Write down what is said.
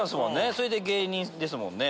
それで芸人ですもんね。